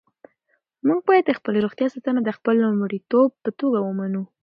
موږ باید د خپلې روغتیا ساتنه د خپل لومړیتوب په توګه ومنو.